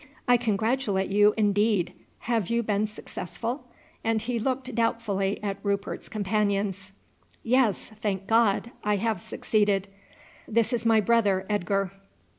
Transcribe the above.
I congratulate you indeed. Have you been successful?" and he looked doubtfully at Rupert's companions. "Yes, thank God, I have succeeded. This is my brother Edgar."